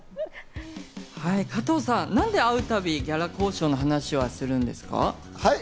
加藤さん、何で会うたびギャラ交渉の話をするんですか？